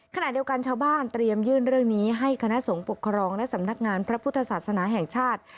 ขณะเดียวกันชาวบ้านเตรียมยื่นเรื่องนี้ให้คณะสงฆ์ปกครองและสำนักงานพระพุทธศาสนาแห่งชาติ